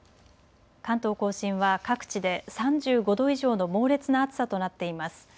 関東甲信は各地で３５度以上の猛烈な暑さとなっています。